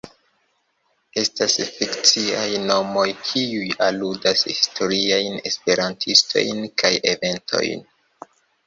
Estas fikciaj nomoj kiuj aludas historiajn Esperantistojn kaj eventojn.